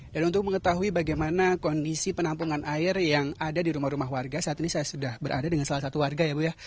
dan untuk mengetahui bagaimana kondisi penampungan air yang ada di rumah rumah warga saat ini saya sudah berada dengan salah satu warga ya bu ya